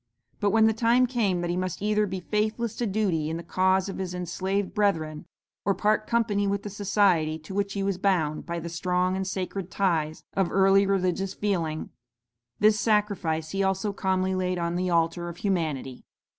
But when the time came that he must either be faithless to duty in the cause of his enslaved brethren, or part company with the Society to which he was bound by the strong and sacred ties of early religious feeling, this sacrifice he also calmly laid on the altar of humanity.